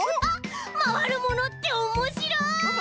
まわるものっておもしろい！